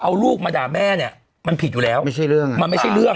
เอาลูกมาด่าแม่เนี้ยมันผิดอยู่แล้วไม่ใช่เรื่องมันไม่ใช่เรื่อง